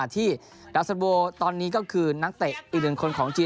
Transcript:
ที่ดาวสันโวตอนนี้ก็คือนักเตะอีกหนึ่งคนของจีน